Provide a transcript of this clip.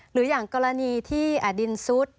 หรืออย่างกรณีที่ดินซุด